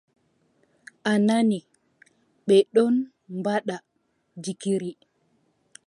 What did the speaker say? A nani, ɓe ɗon mbaɗa jikiri.